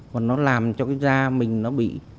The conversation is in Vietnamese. và nó làm cho da mình bị